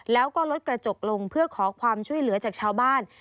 แล้วก็รถกระจกลงเพื่อขอความช่วยเหลือจากชาวบ้าน